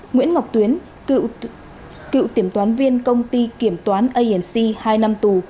nguyễn ngọc tuyến cựu kiểm toán viên công ty kiểm toán anc hai năm tù